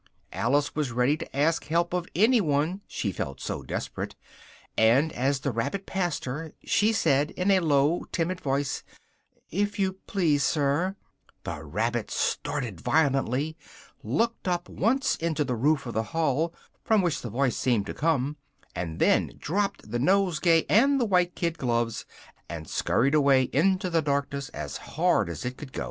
Alice was ready to ask help of any one, she felt so desperate, and as the rabbit passed her, she said, in a low, timid voice, "If you please, Sir " the rabbit started violently, looked up once into the roof of the hall, from which the voice seemed to come, and then dropped the nosegay and the white kid gloves, and skurried away into the darkness, as hard as it could go.